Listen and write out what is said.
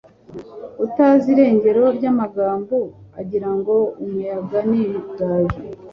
utazi irengero ry'amagambo agirango umuyaga ni igaju